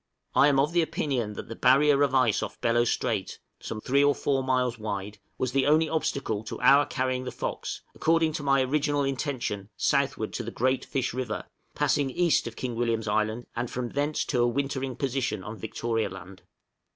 I am of opinion that the barrier of ice off Bellot Strait, some 3 or 4 miles wide, was the only obstacle to our carrying the 'Fox,' according to my original intention, southward to the Great Fish River, passing east of King William's Island, and from thence to a wintering position on Victoria Land.